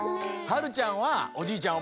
はるちゃんはおじいちゃん